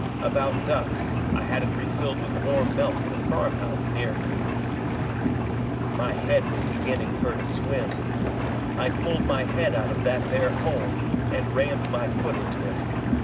About dusk I had it refilled with warm milk at a farmhouse near " My head was beginning fur to swim. I pulled my head out of that there hole, and rammed my foot into it.